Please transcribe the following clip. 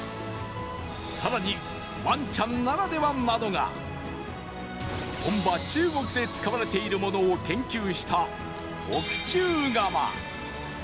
更にわんちゃんならではなのが本場中国で使われているものを研究した特注窯